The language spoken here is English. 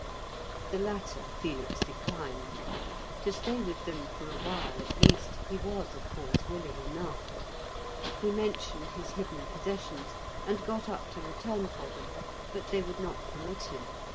The latter Felix declined; to stay with them for awhile, at least, he was, of course, willing enough. He mentioned his hidden possessions, and got up to return for them, but they would not permit him.